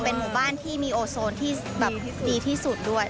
เป็นหมู่บ้านที่มีโอโซนที่แบบดีที่สุดด้วย